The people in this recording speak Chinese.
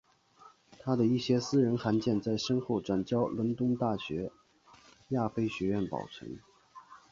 他的一些私人函件在身后转交伦敦大学亚非学院保存。